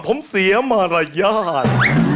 ผมเสียมารยาท